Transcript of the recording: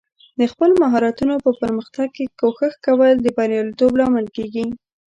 د خپل مهارتونو په پرمختګ کې کوښښ کول د بریالیتوب لامل کیږي.